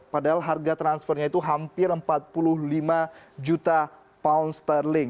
padahal harga transfernya itu hampir empat puluh lima juta pound sterling